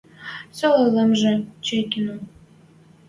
сола лӹмжӹ — Чайкино